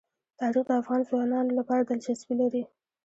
تاریخ د افغان ځوانانو لپاره دلچسپي لري.